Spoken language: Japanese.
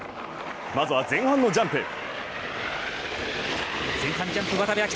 まずは前半のジャンプ。